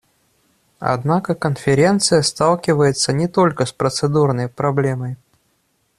Однако Конференция сталкивается не только с процедурной проблемой.